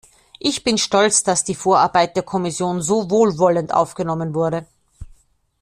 Ich bin stolz, dass die Vorarbeit der Kommission so wohlwollend aufgenommen wurde.